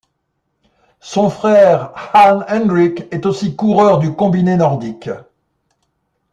Son frère Han Hendrik est aussi coureur du combiné nordique.